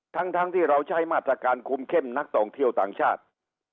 ทั้งที่เราใช้มาตรการคุมเข้มนักท่องเที่ยวต่างชาติ